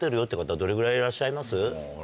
どれぐらいいらっしゃいます？